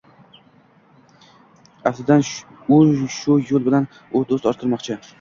aftidan u shu yo‘l bilan u do‘st orttirmoqchi